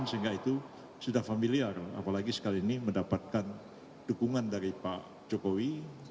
sehingga itu sudah familiar apalagi sekali ini mendapatkan dukungan dari pak jokowi